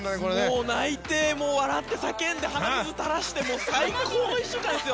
もう泣いて、笑って叫んで鼻水たらして最高の１週間ですよ。